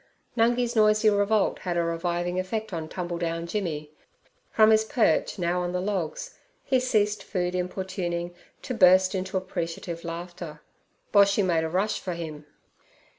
Nungi's noisy revolt had a reviving effect on Tumbledown Jimmy. From his perch now on the logs he ceased food importuning to burst into appreciative laughter. Boshy made a rush for him.